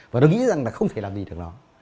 và tôi nghĩ rằng là không thể làm gì được nó